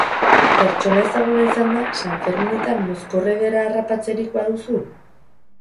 Pertsona ezaguna izanda, sanferminetan mozkor ederra harrapatzerik baduzu?